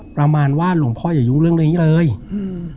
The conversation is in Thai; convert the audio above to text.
ประมาณว่าหลวงพ่ออย่ายุ่งเรื่องนี้เลยอืม